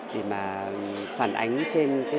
để mà phản ánh trên các phương tiện thông tin của đài